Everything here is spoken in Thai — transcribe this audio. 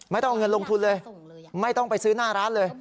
ไม่ต้องเอาเงินลงทุนเลยไม่ต้องไปซื้อหน้าร้านเลย